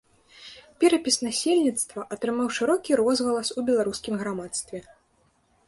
Перапіс насельніцтва атрымаў шырокі розгалас у беларускім грамадстве.